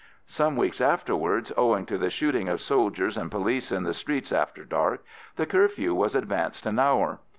Some weeks afterwards, owing to the shooting of soldiers and police in the streets after dark, the curfew was advanced an hour.